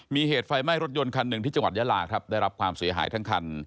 มีเหตุไฟไหม้รถยนต์คันหนึ่งที่จังหวัดยาลาครับได้รับความเสียหายทั้งคัน